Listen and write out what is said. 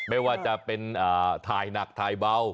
ไม่ว่าจะเป็นถ่ายหนักถ่ายเบา